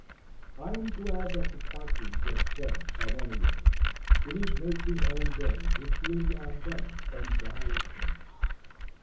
I am glad that the partridge gets fed, at any rate. It is Nature's own bird which lives on buds and diet drink.